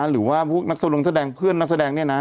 หรือว่าพวกนักทรงลงแสดงเพื่อนนักแสดงเนี่ยนะ